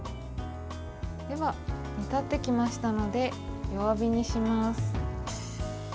では、煮立ってきましたので弱火にします。